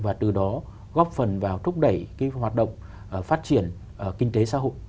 và từ đó góp phần vào thúc đẩy cái hoạt động phát triển kinh tế xã hội